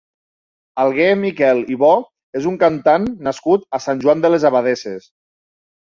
Alguer Miquel i Bo és un cantant nascut a Sant Joan de les Abadesses.